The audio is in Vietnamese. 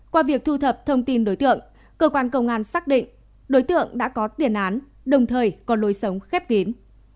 qua việc thu thập thông tin đối tượng cơ quan công an xác định đối tượng đã có tiền án đồng thời có lối sống khép kín